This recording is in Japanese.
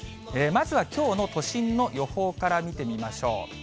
まずはきょうの都心の予報から見てみましょう。